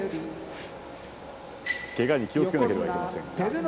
けがに気をつけなければいけませんね。